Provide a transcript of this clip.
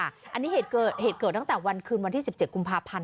อันนี้เหตุเกิดตั้งแต่วันคืนเวลา๑๗ปพ